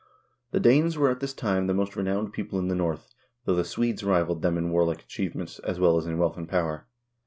1 The Danes were at this time the most renowned people in the North, though the Swedes rivaled them in warlike achievements, as well as in wealth and power.